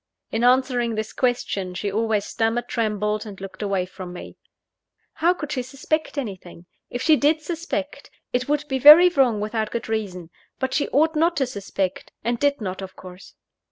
In answering this question, she always stammered, trembled, and looked away from me. "How could she suspect anything? If she did suspect, it would be very wrong without good reason: but she ought not to suspect, and did not, of course."